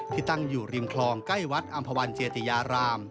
ตั้งอยู่ริมคลองใกล้วัดอำภาวันเจติยาราม